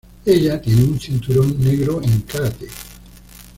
Ella tiene un cinturón negro en karate.